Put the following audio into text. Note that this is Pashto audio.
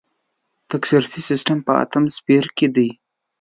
تکثري سیستم په اتم څپرکي کې دی.